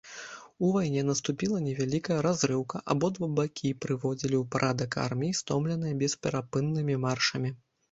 У вайне наступіла невялікая разрыўка, абодва бакі прыводзілі ў парадак арміі, стомленыя бесперапыннымі маршамі.